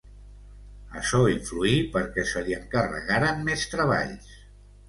Açò influí perquè se li encarregaren més treballs.